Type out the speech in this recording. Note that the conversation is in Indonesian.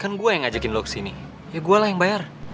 kan gue yang ngajakin lo ke sini ya gue lah yang bayar